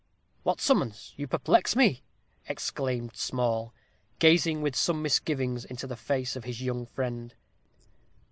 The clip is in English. "What summons? you perplex me!" exclaimed Small, gazing with some misgiving into the face of his young friend.